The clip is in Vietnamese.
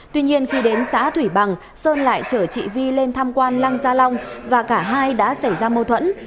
tuy nhiên khi đến xã thủy bằng sơn lại chở chị vi lên tham quan lăng gia long và cả hai đã xảy ra mâu thuẫn